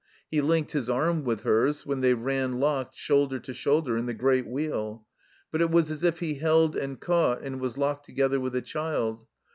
He linked his arm with hers when they ran locked, shoulder to shoulder, in the Great Wheel ; but it was as if he held and caught, and was locked together with a child.